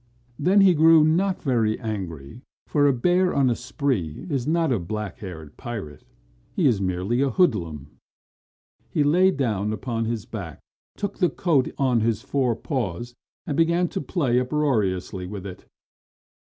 Then he grew not very angry, for a bear on a spree is not a black haired pirate. He is merely a hoodlum. He lay down on his back, took the coat on his four paws and began to play uproariously with it.